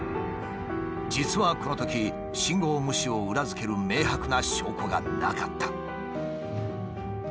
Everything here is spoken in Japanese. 実はこのとき信号無視を裏付ける明白な証拠がなかった。